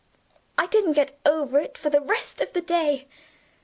I didn't get over it for the rest of the day.